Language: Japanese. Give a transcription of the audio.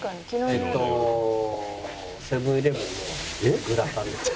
えーっとセブン−イレブンのグラタン。